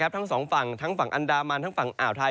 ทั้งสองฝั่งทั้งฝั่งอันดามันทั้งฝั่งอ่าวไทย